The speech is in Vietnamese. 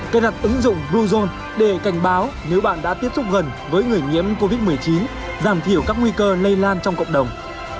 cài đặt ứng dụng bluezone để cảnh báo nếu bạn đã tiếp xúc gần với người nhiễm covid một mươi chín giảm thiểu các nguy cơ lây lan trong cộng đồng